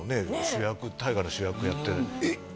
主役大河の主役やってえっ？